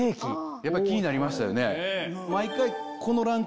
やっぱ気になりましたよね。